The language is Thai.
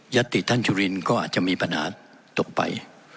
ติท่านจุลินก็อาจจะมีปัญหาตกไป